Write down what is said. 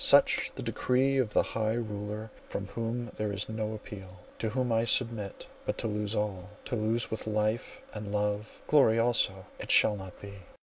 Such the decree of the High Ruler from whom there is no appeal: to whom I submit. But to lose all—to lose with life and love, glory also! It shall not be!